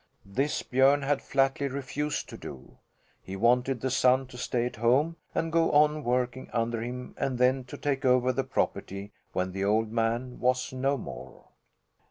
This Björn had flatly refused to do. He wanted the son to stay at home and go on working under him and then to take over the property when the old man was no more.